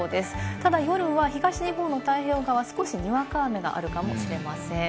ただ夜は東日本の太平洋側、少しにわか雨があるかもしれません。